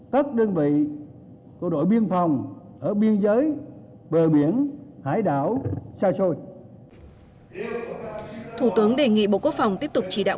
các đơn vị của đội biên phòng ở biên giới bờ biển hải đảo